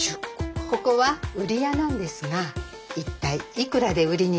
ここは売り家なんですが一体いくらで売りに出されているでしょうか？